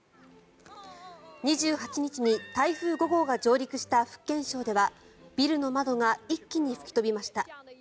２８日に台風５号が上陸した福建省ではビルの窓が一気に吹き飛びました。